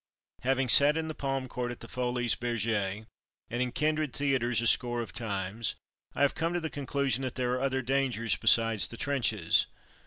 Having sat in the palm court at the Folies Bergeres and in kindred theatres a score of times, I have come to the conclusion that there are other dangers besides the trenches.